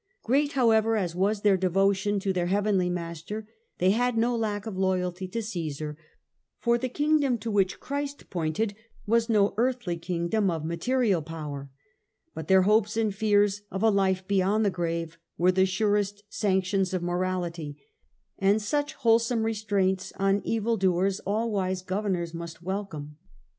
Great, however, as was their devotion to their heavenly Master, they had no lack of loyalty to Caesar, for the kingdom to which Christ pointed was no earthly kingdom of material power ; but their hopes and fears of a life beyond the grave were the surest sanctions of morality, and such wholesome restraints on evil doers all wise governors must welcome.